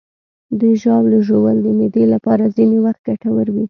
د ژاولې ژوول د معدې لپاره ځینې وخت ګټور وي.